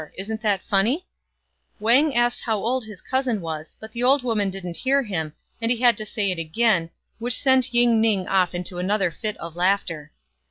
Isn't that funny ?" Wang asked how old his cousin was, but the old woman didn't hear him, and he had to say it again, which sent Ying ning off into another fit of laughter.